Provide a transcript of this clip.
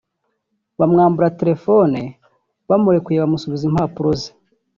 bamwambura telefone bamurekuye bamusubiza impapuro ze